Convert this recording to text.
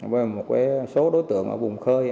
với một số đối tượng ở vùng khơi